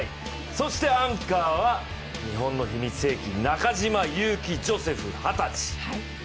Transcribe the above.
そしてアンカーは日本の秘密兵器、中島佑気ジョセフ二十歳。